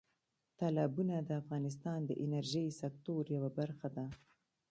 تالابونه د افغانستان د انرژۍ سکتور یوه برخه ده.